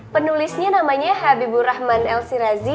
penulisnya namanya habibur rahman el sirazi